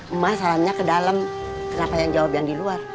emas salamnya ke dalam kenapa yang jawab yang di luar